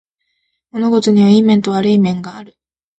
物事にはいい面と悪い面がある